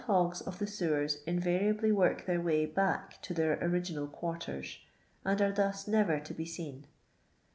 hogs of the . sewers mvariably work their way bock to their original quarters, and are thus never to be seen.